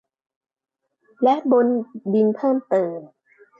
และบนดินเพิ่มเติม